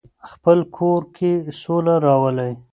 خپل کور کې سوله راولئ.